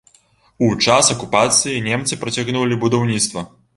У час акупацыі немцы працягнулі будаўніцтва.